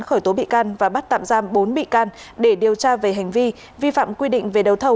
khởi tố bị can và bắt tạm giam bốn bị can để điều tra về hành vi vi phạm quy định về đấu thầu